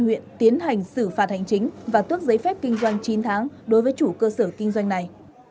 huyện tiến hành xử phạt hành chính và tước giấy phép kinh doanh chín tháng đối với chủ cơ sở kinh doanh này